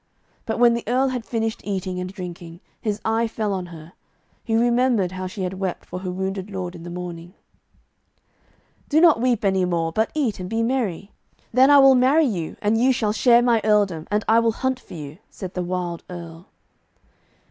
But when the Earl had finished eating and drinking, his eye fell on her. He remembered how she had wept for her wounded lord in the morning. 'Do not weep any more, but eat and be merry. Then I will marry you, and you shall share my earldom, and I will hunt for you,' said the wild Earl.